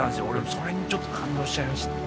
それにちょっと感動しちゃいました。